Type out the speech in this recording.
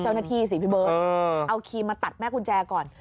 เจ้าหน้าที่สิพี่เบิ้ลเอาคีมมาตัดแม่กุญแจก่อน